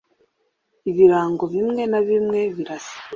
ibirango bimwe na bimwe birasa ,